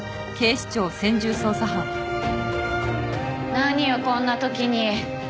何よこんな時に。